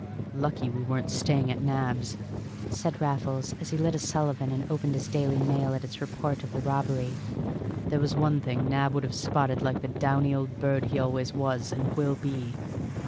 "Lucky we weren't staying at Nab's," said Raffles, as he lit a Sullivan and opened his Daily Mail at its report of the robbery. "There was one thing Nab would have spotted like the downy old bird he always was and will be."